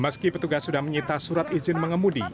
meski petugas sudah menyita surat izin mengemudi